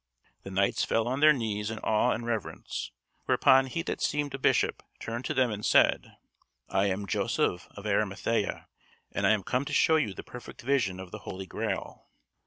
The knights fell on their knees in awe and reverence, whereupon he that seemed a bishop turned to them and said: "I am Joseph of Arimathea, and I am come to show you the perfect vision of the Holy Grail."